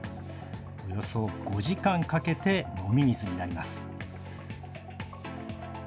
およそ５時間かけて飲み水になります。